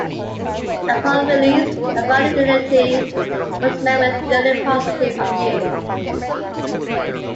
Upon release, "A Final Unity" was met with generally positive reviews.